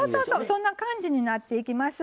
そんな感じになっていきます。